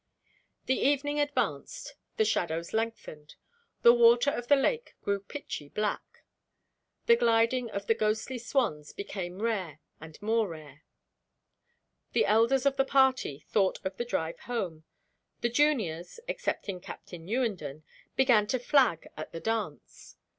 The evening advanced. The shadows lengthened. The waters of the lake grew pitchy black. The gliding of the ghostly swans became rare and more rare. The elders of the party thought of the drive home. The juniors (excepting Captain Newenden) began to flag at the dance.